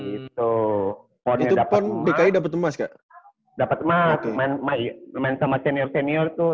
itu pon bki dapet emas kak dapet emas main sama senior senior tuh